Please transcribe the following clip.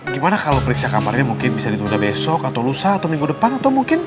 gimana kalau periksa kamar ini mungkin bisa ditunda besok atau lusa atau minggu depan atau mungkin